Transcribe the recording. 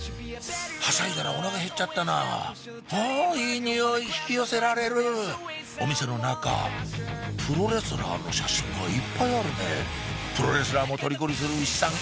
はしゃいだらお腹へっちゃったなあいい匂い引き寄せられるお店の中プロレスラーの写真がいっぱいあるねぇプロレスラーもとりこにする牛さん